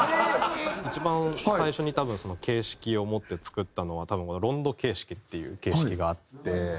一番最初に多分形式をもって作ったのは多分ロンド形式っていう形式があって。